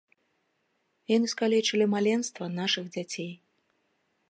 Яны скалечылі маленства нашых дзяцей.